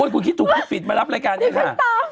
คุณคิดถูกต้องสิบฝิตมารับรายการนี่ค่ะ